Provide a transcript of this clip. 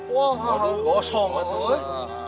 wah gosong banget weh